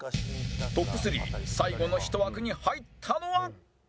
トップ３最後の１枠に入ったのは